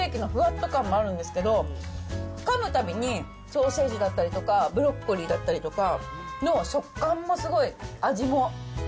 もちろん、パンケーキのふわっと感もあるんですけど、かむたびにソーセージだったりとか、ブロッコリーだったりとかの食感もすごい、味も。